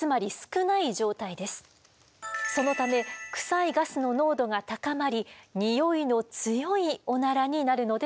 そのためクサいガスの濃度が高まりにおいの強いオナラになるのでございます。